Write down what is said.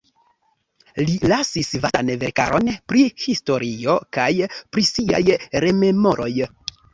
Li lasis vastan verkaron pri historio kaj pri siaj rememoroj.